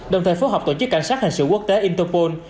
đồng thời phối hợp tổ chức cảnh sát hành sự quốc tế interpol